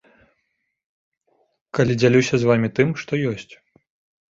Калі дзялюся з вамі тым, што ёсць.